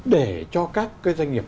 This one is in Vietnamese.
để cho các cái doanh nghiệp